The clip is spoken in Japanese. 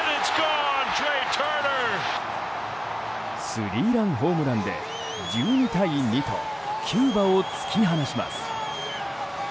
スリーランホームランで１２対２とキューバを突き放します。